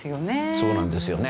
そうなんですよね。